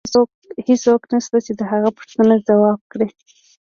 هیڅوک نشته چې د هغه پوښتنه ځواب کړي